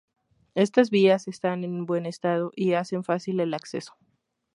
Estas vías están en buen estado y hacen fácil el acceso.